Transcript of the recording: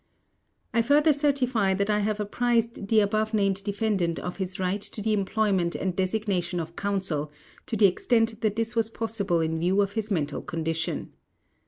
I further certify that I have apprised the above named defendant of his right to the employment and designation of counsel to the extent that this was possible in view of his mental condition.